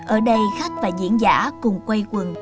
ở đây khách và diễn giả cùng quay quần